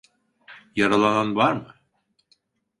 Yaralanan var mı?